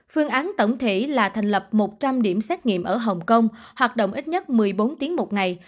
phương án tổng thể là thành lập một trăm linh điểm xét nghiệm ở hồng kông hoạt động ít nhất một mươi bốn tiếng một ngày